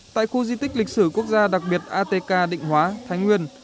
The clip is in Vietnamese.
tại khu di tích lịch sử quốc gia đặc biệt atk định hóa thái nguyên